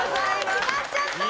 決まっちゃった！